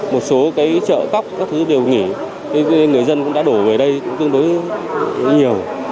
một số chợ cóc các thứ đều nghỉ người dân cũng đã đổ về đây tương đối nhiều